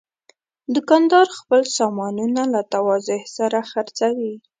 دوکاندار خپل سامانونه له تواضع سره خرڅوي.